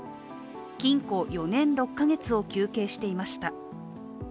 禁錮４年６か月を求刑していました。